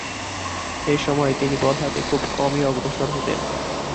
এ সময়ে তিনি বল হাতে খুব কমই অগ্রসর হতেন।